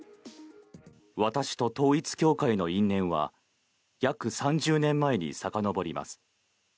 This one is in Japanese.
私と統一教会の因縁は約３０年前にさかのぼります。